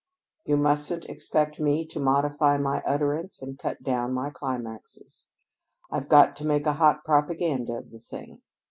You mustn't expect me to modify my utterance and cut down my climaxes. I've got to make a hot propaganda of the thing.